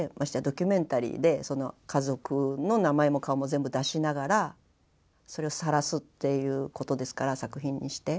ドキュメンタリーで家族の名前も顔も全部出しながらそれを晒すっていうことですから作品にして。